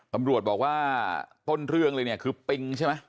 ตำรวจบอกว่าต้นเรื่องเลยเนี่ยคือปิงใช่ไหม